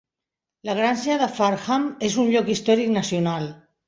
La granja de Farnham és un lloc històric nacional.